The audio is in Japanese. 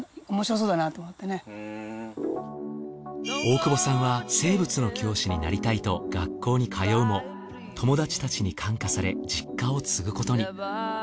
大久保さんは生物の教師になりたいと学校に通うも友達たちに感化され実家を継ぐことに。